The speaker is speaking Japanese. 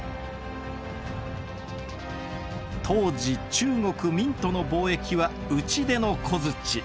当時中国明との貿易は打ち出の小づち。